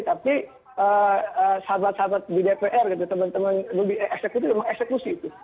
tapi sahabat sahabat di dpr teman teman lebih eksekutif mau eksekusi itu